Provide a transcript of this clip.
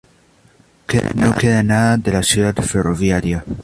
No queda nada de la ciudad ferroviaria.